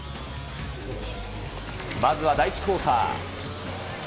まずは第１クオーター。